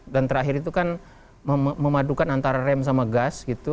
dan terakhir itu kan memadukan antara rem sama gas gitu